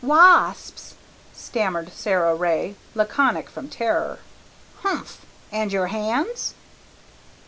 "Wasps," stammered Sara Ray, laconic from terror. "Humph! And your hands?"